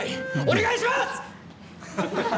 お願いします！